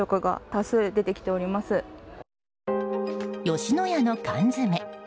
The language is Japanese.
吉野家の缶詰。